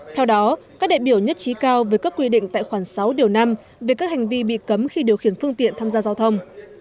theo đó các đại biểu nhất trí cao với cấp quy định tại khoảng sáu điều năm về các hành vi bị cấm khi điều khiển phương tiện tham gia giao thông